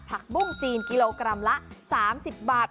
บุ้งจีนกิโลกรัมละ๓๐บาท